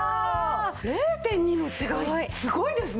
０．２の違いすごいですね！